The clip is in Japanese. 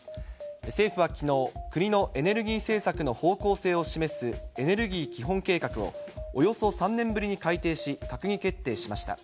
政府はきのう、国のエネルギー政策の方向性を示すエネルギー基本計画を、およそ３年ぶりに改定し、閣議決定しました。